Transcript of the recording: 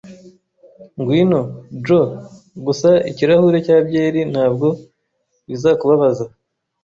Ngwino, Joe. Gusa ikirahure cya byeri ntabwo bizakubabaza.